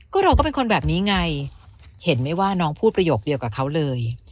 ก็เราก็เป็นคนแบบนี้ไงเห็นไหมว่าน้องพูดประโยคเดียวกับเขาเลย